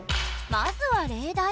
まずは例題。